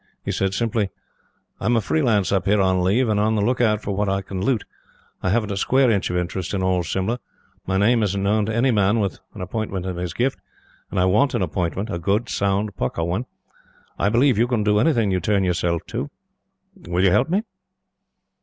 He said simply: "I'm a Freelance up here on leave, and on the lookout for what I can loot. I haven't a square inch of interest in all Simla. My name isn't known to any man with an appointment in his gift, and I want an appointment a good, sound, pukka one. I believe you can do anything you turn yourself to do. Will you help me?"